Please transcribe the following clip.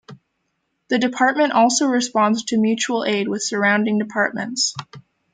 The department also responds to mutual aid with surrounding departments.